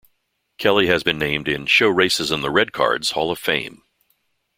Kelly has been named in "Show Racism the Red Card"'s Hall of Fame.